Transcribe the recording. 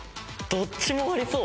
どっちもありそう。